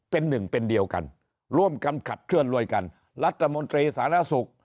เป็นหนึ่งเป็นเดียวกันร่วมกันขับเคลื่อนร่วมกันรัฐมนตรีสารสุข